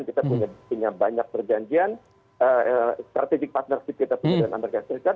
kita punya banyak perjanjian strategic partnership kita punya amerika serikat